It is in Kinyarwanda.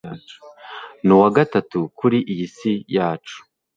n'uwa gatatu kuri iyi si yacu